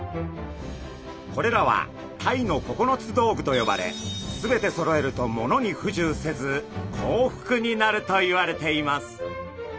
これらはタイの９つ道具と呼ばれすべてそろえると物に不自由せず幸福になるといわれています。